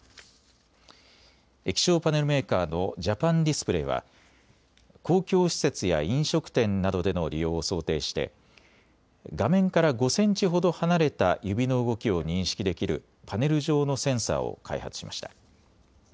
液晶パネルメーカーのジャパンディスプレイは公共施設や飲食店などでの利用を想定して画面から５センチほど離れた指の動きを認識できるパネル状のセンサーを開発しました。